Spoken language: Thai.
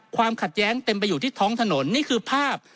ความขัดแย้งเต็มไปอยู่ที่ท้องถนนนี่คือภาพ